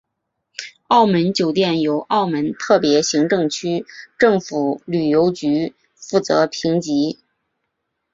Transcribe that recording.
澳门酒店由澳门特别行政区政府旅游局负责评级。